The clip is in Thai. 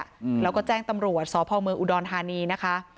อืมแล้วก็แจ้งตำรวจสพเมืองอุดรธานีนะคะ